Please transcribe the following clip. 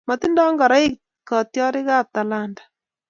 Matindo ngoraik katiarik ab Talanta